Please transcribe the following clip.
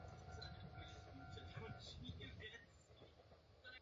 Kromě národních tras obsahuje i části mezinárodních tras procházející přes slovenské území.